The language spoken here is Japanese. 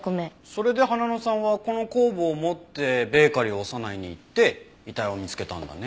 それで花野さんはこの酵母を持ってベーカリーオサナイに行って遺体を見つけたんだね。